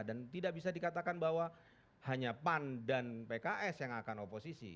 dan tidak bisa dikatakan bahwa hanya pan dan pks yang akan oposisi